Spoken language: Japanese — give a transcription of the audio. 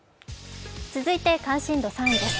続いて関心度３位です。